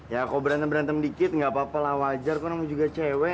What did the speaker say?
ya kok berantem berantem dikit ga apa apa lah wajar kan emang juga cewek